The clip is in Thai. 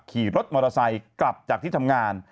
ขี่รถมอเตอร์ไซค์กลับจากที่ทำงาน